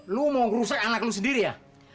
lu mau ngerusak anak lu sendiri ya